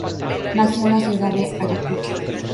Nació en la ciudad de Ayacucho.